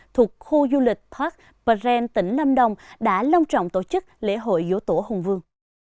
thuộc khu du lịch park pren tỉnh lâm đồng đã long trọng tổ chức lễ hội dỗ tổ hùng vương